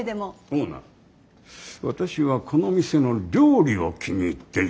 オーナー私はこの店の料理を気に入っている。